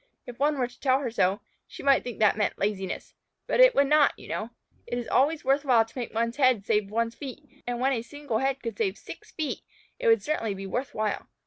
If one were to tell her so, she might think that meant laziness, but it would not, you know. It is always worth while to make one's head save one's feet, and when a single head could save six feet it would certainly be worth while.